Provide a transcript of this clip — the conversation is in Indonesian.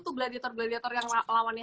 tuh gladiator gladiator yang lawannya